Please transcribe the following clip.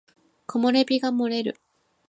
木漏れ日が漏れる